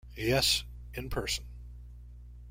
Yes, in person.